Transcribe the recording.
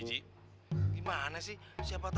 gimana sih siapa tau aja